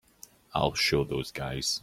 I'll show those guys.